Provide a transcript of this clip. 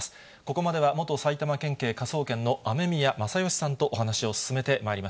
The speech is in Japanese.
ここまでは元埼玉県警科捜研の雨宮正欣さんとお話を進めてまいり